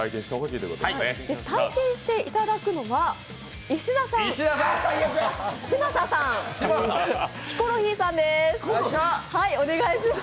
体験していただくのは石田さん、嶋佐さん、ヒコロヒーさんです、お願いします。